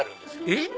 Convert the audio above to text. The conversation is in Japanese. えっ？